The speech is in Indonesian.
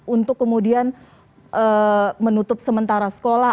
untuk kemudian menutup sementara sekolah